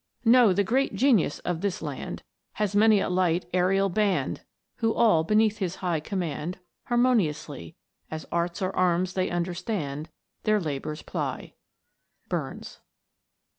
'' Know the great genius of this land Has many a light aerial band, Who all, beneath his high command, Harmoniously, As arts or arms they understand, Their labours ply." BURNS.